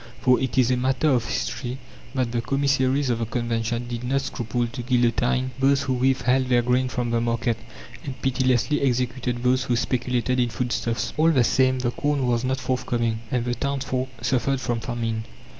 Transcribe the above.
For it is a matter of history that the commissaries of the Convention did not scruple to guillotine those who withheld their grain from the market, and pitilessly executed those who speculated in foodstuffs. All the same, the corn was not forthcoming, and the townsfolk suffered from famine.